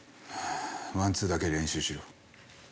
ワンツーだけ練習しろ。